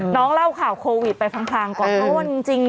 น้องเล่าข่าวโควิดไปครางขอร้อนจริง